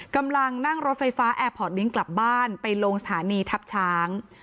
กำลังนั่งรถไฟฟ้าแอร์พอร์ตลิงค์กลับบ้านไปลงสถานีทัพช้าง